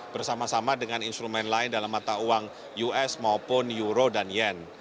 bersama sama dengan instrumen lain dalam mata uang us maupun euro dan yen